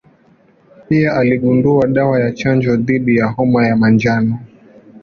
Pia aligundua dawa ya chanjo dhidi ya homa ya manjano.